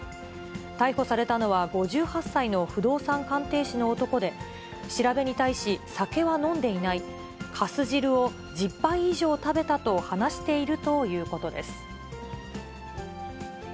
逮捕されたのは５８歳の不動産鑑定士の男で、調べに対し、酒は飲んでいない、かす汁を１０杯以上食べたと話しているということです。